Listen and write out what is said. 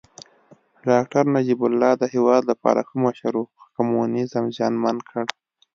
داکتر نجيب الله د هېواد لپاره ښه مشر و خو کمونيزم زیانمن کړ